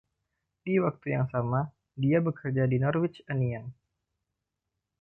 Di waktu yang sama, dia bekerja di Norwich Union.